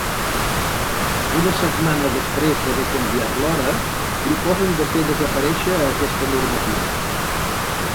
Una setmana després d’haver canviat l’hora, proposen de fer desaparèixer aquesta normativa.